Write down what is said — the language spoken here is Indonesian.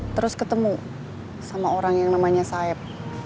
terus ketemu sama orang yang namanya sayap